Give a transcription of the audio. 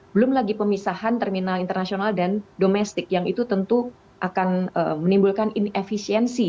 belum lagi pemisahan terminal internasional dan domestik yang itu tentu akan menimbulkan inefisiensi